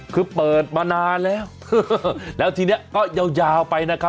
คือเปิดมานานแล้วแล้วทีนี้ก็ยาวไปนะครับ